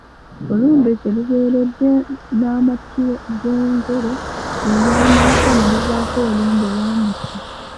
Olumbe kye lubeeredde n'amattire, ggongolo lye lyamwokya ne livaako olumbe olwamutta.